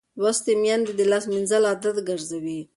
لوستې میندې د لاس مینځل عادت ګرځوي.